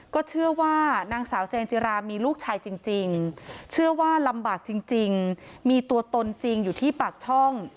ก็เชื่อว่านางสาวเจนจิรามีลูกชายจริงเชื่อว่าลำบากจริงมีตัวตนจริงอยู่ที่ปากช่อง